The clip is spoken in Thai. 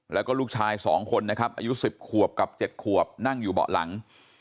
แล้วก็ลูกชาย๒คนนะครับอายุ๑๐ขวบกับ๗ขวบนั่งอยู่เบาะหลัง